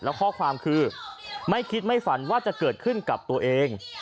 แล้วข้อความคือไม่คิดไม่ฝันว่าจะเกิดขึ้นกับตัวเอง